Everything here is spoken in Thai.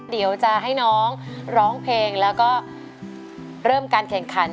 เดี๋ยวจะให้น้องร้องเพลงแล้วก็เริ่มการแข่งขัน